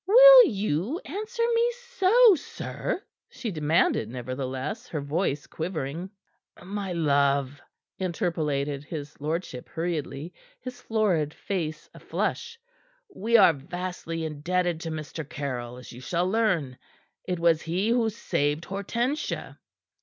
"Will you answer me so, sir?" she demanded, nevertheless, her voice quivering. "My love!" interpolated his lordship hurriedly, his florid face aflush. "We are vastly indebted to Mr. Caryll, as you shall learn. It was he who saved Hortensia."